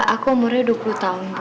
aku umurnya dua puluh tahun